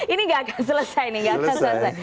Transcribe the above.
ini gak akan selesai nih nggak akan selesai